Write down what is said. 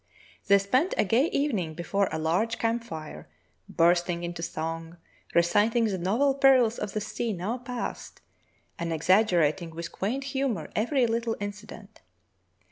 They spent a gay evening before a large camp fire, bursting into song, reciting the novel perils of the sea now past, and exaggerating with quaint humor every little incident.